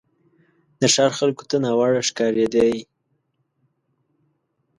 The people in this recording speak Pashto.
د ښار خلکو ته ناوړه ښکارېدی.